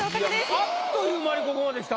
あっという間にここまできた。